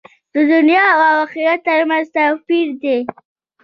د دنیا او آخرت تر منځ توپیر دی.